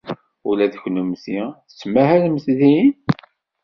Ula d kennemti tettmahalemt din?